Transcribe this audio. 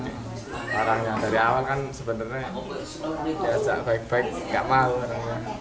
dari awal kan sebenarnya diajak baik baik gak mau